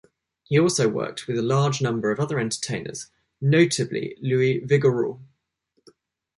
He also worked with a large number of other entertainers, notably Luis Vigoreaux.